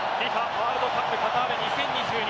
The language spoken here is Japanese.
ワールドカップカタール２０２２